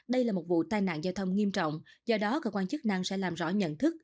đây là một vụ tai nạn giao thông nghiêm trọng do đó cơ quan chức năng sẽ làm rõ nhận thức